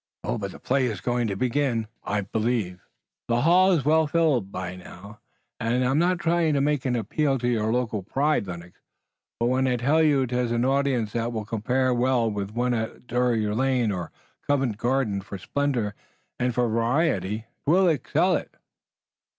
But the play is going to begin, I believe. The hall is well filled now, and I'm not trying to make an appeal to your local pride, Lennox, when I tell you 'tis an audience that will compare well with one at Drury Lane or Covent Garden for splendor, and for variety 'twill excel it."